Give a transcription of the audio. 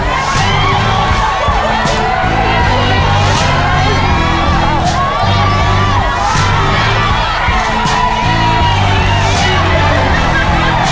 อีกที่พบอย่างลูก